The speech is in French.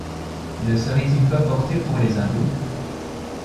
Ne serait-il pas porté pour les Indous?